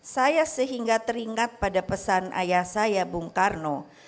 saya sehingga teringat pada pesan ayah saya bung karno